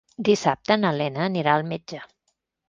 Dissabte na Lena anirà al metge.